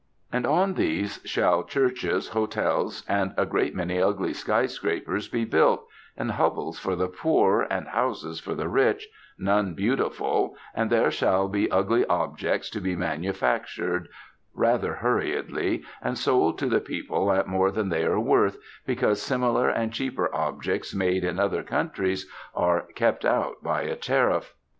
And on these shall churches, hotels, and a great many ugly skyscrapers be built, and hovels for the poor, and houses for the rich, none beautiful, and there shall ugly objects be manufactured, rather hurriedly, and sold to the people at more than they are worth, because similar and cheaper objects made in other countries are kept out by a tariff....